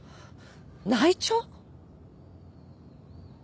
内調？